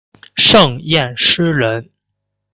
盛彦师人。